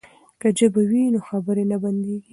که ژبه وي نو خبرې نه بندیږي.